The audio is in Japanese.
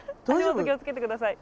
足元気をつけてください。